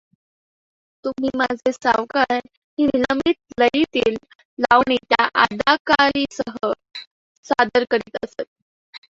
तुम्ही माझे सावकार ही विलंबित लयीतील लावणी त्या अदाकारीसह सादर करीत असत.